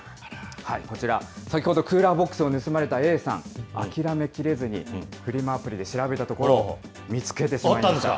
こちら、先ほどクーラーボックスを盗まれたＡさん、諦めきれずに、フリマアプリで調べたところ、見あったんですか。